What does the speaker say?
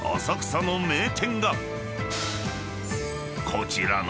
［こちらの］